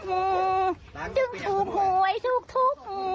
ดึงถูกห่วยถูก